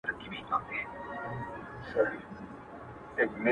ه بيا دي په سرو سترگو کي زما ياري ده”